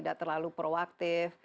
tidak terlalu proaktif